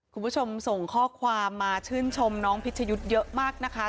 คุณผู้ชมส่งข้อความมาชื่นชมน้องพิชยุทธ์เยอะมากนะคะ